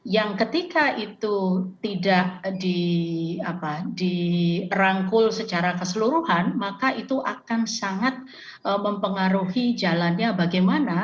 yang ketika itu tidak dirangkul secara keseluruhan maka itu akan sangat mempengaruhi jalannya bagaimana